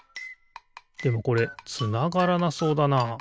でもこれつながらなそうだな。